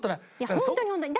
ホントにホントに。